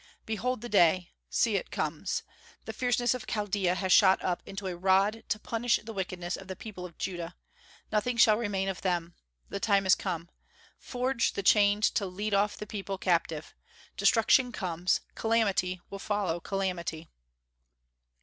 "Behold the day! See, it comes! The fierceness of Chaldaea has shot up into a rod to punish the wickedness of the people of Judah. Nothing shall remain of them. The time is come! Forge the chains to lead off the people captive. Destruction comes; calamity will follow calamity!"